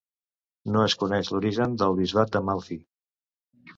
No es coneix l'origen del bisbat d'Amalfi.